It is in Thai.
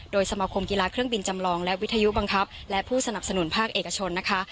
โดยสมาคมกีฬาเครื่องบินจำลองและวิทยุบังคับและผู้สนับสนุนภาคเอกชนนะคะ